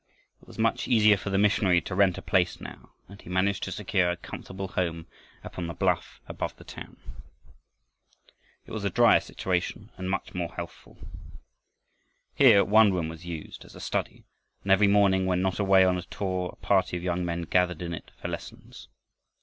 It was much easier for the missionary to rent a place now, and he managed to secure a comfortable home upon the bluff above the town. It was a dryer situation and much more healthful. Here one room was used as a study and every morning when not away on a tour a party of young men gathered in it for lessons.